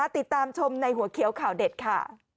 ติดตามชมในหัวเขียวข่าวเด็ดค่ะ